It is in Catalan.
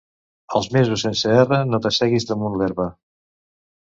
Els mesos sense erra no t'asseguis damunt l'herba.